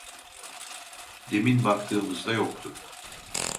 Demin baktığımızda yoktu